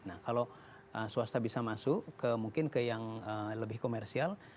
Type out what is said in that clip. nah kalau swasta bisa masuk ke mungkin ke yang lebih komersial